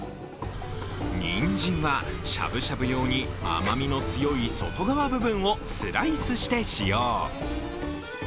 にんじんは、しゃぶしゃぶ用に甘みの強い外側部分をスライスして使用。